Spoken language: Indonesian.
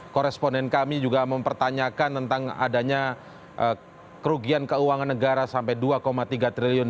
koresponden kami juga mempertanyakan tentang adanya kerugian keuangan negara sampai dua tiga triliun